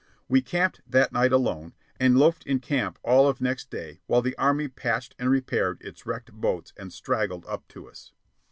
We camped that night alone, and loafed in camp all of next day while the Army patched and repaired its wrecked boats and straggled up to us.